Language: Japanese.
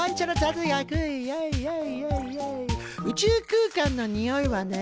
宇宙空間のにおいはね